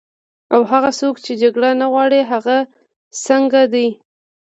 او هغه څوک چې جګړه نه غواړي، هغه څنګه دي؟